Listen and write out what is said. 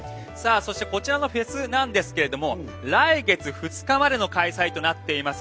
こちらのフェスなんですが来月２日までの開催となっています。